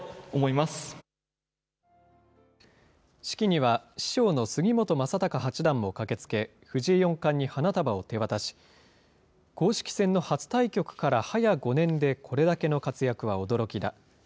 式には師匠の杉本昌隆八段も駆けつけ、藤井四冠に花束を手渡し、公式戦の初対局から早５年でこれだけの活躍は驚きだ。